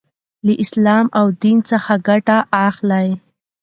لـه اسـلام او ديـن څـخه ګـټه اخـلي .